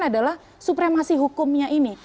adalah supremasi hukumnya ini